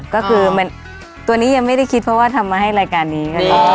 ก็คือตัวนี้ยังไม่ได้คิดเพราะว่าทำมาให้รายการนี้